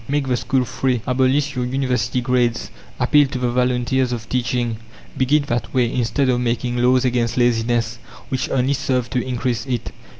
Make the school free, abolish your University grades, appeal to the volunteers of teaching; begin that way, instead of making laws against laziness which only serve to increase it.